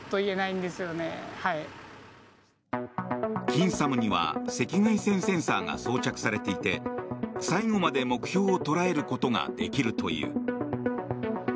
近ＳＡＭには赤外線センサーが装着されていて最後まで目標を捉えることができるという。